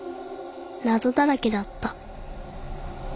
なぞだらけだった